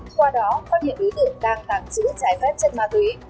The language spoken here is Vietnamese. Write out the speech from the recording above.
qua đó phát hiện ý tưởng đang tạm giữ trái phép chân ma túy